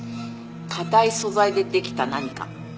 硬い素材でできた何か。